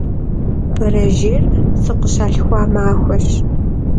Berejêyr sıkhışalhxua maxueş.